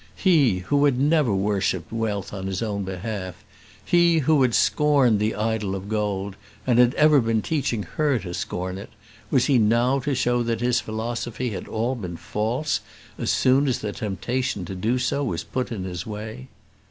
He, who had never worshipped wealth on his own behalf; he, who had scorned the idol of gold, and had ever been teaching her to scorn it; was he now to show that his philosophy had all been false as soon as the temptation to do so was put in his way?